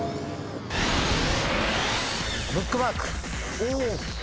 ブックマーク。